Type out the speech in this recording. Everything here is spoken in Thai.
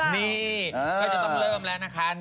นี่ก็จะต้องเริ่มแล้วนะคะ